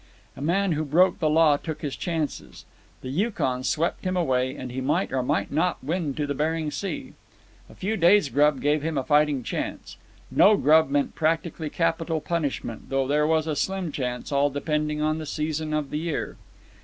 A man who broke the law took his chances. The Yukon swept him away, and he might or might not win to Bering Sea. A few days' grub gave him a fighting chance. No grub meant practically capital punishment, though there was a slim chance, all depending on the season of the year.